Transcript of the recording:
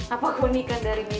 apa unikan dari meja